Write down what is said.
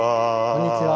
こんにちは。